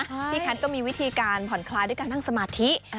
พี่แคทก็มีวิธีการผ่อนคลายด้วยการนั่งสมาธิ